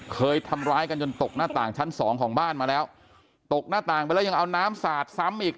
เคยทำร้ายกันจนตกหน้าต่างชั้นสองของบ้านมาแล้วตกหน้าต่างไปแล้วยังเอาน้ำสาดซ้ำอีก